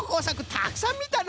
たくさんみたの！